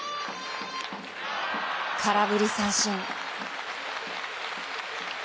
空振り三振。